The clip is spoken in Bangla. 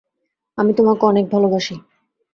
আমি তোমাকে অনেক ভালোবাসি।